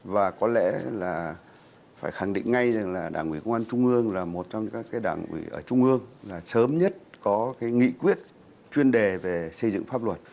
và có lẽ là phải khẳng định ngay rằng là đảng ủy công an trung ương là một trong các cái đảng ủy ở trung ương là sớm nhất có cái nghị quyết chuyên đề về xây dựng pháp luật